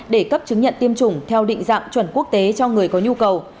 để cấp chứng nhận tiêm chủng theo định dạng chuẩn quốc tế cho người có nhu cầu